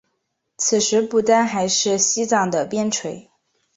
此时不丹还是西藏的边陲。